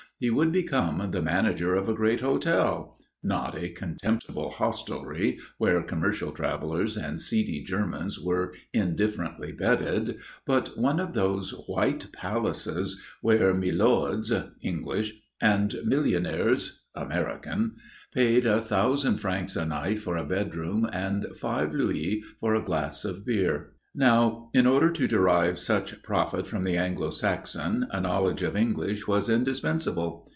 He would become the manager of a great hotel not a contemptible hostelry where commercial travellers and seedy Germans were indifferently bedded, but one of those white palaces where milords (English) and millionaires (American) paid a thousand francs a night for a bedroom and five louis for a glass of beer. Now, in order to derive such profit from the Anglo Saxon a knowledge of English was indispensable.